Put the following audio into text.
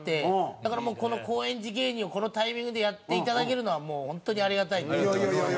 だからもうこの高円寺芸人をこのタイミングでやっていただけるのはもう本当にありがたいですよね。